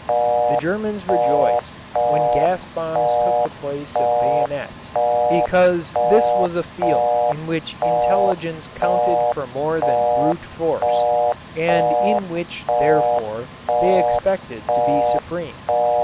The Germans rejoiced when gas bombs took the place of bayonets because this was a field in which intelligence counted for more than brute force and in which therefore they expected to be supreme.